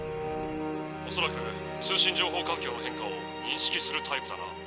「おそらく通信情報環境の変化を認識するタイプだな」。